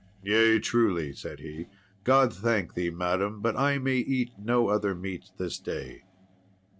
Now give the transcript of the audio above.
"Yea, truly," said he; "God thank thee, madam; but I may eat no other meat this day."